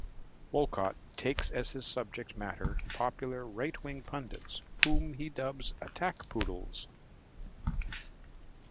Wolcott takes as his subject matter popular right-wing pundits whom he dubs "attack poodles".